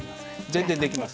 全然できます。